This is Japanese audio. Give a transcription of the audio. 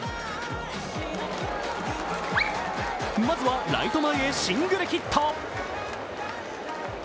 まずはライト前へシングルヒット。